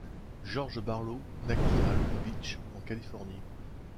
George Barlow naquit à Long Beach, en Californie.